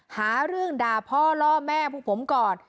หาเรื่องด่าพ่อล่อแม่พวกผมก่อน